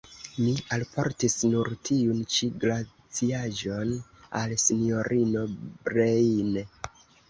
Mi alportis nur tiun ĉi glaciaĵon al sinjorino Breine.